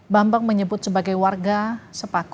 bambang menyebut sebagai warga sepaku